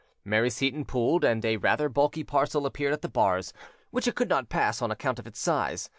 Mary Seyton pulled, and a rather bulky parcel appeared at the bars, which it could not pass on account of its size.